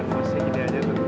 masih gini aja tuh